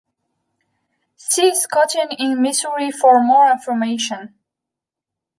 See Scouting in Missouri for more information.